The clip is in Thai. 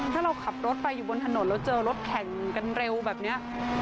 ถ้าเราขับรถไปอยู่บนถนนแล้วเจอรถแข่งกันเร็วแบบนี้